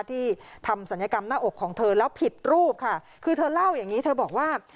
ที่ทำศัลยกรรมหน้าอกของเธอแล้วผิดรูปค่ะคือเธอเล่าอย่างงี้เธอบอกว่า